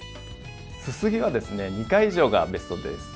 すすぎはですね２回以上がベストです。